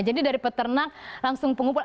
jadi dari peternak langsung pengumpul